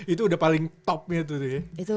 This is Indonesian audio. itu udah paling top nya tuh ya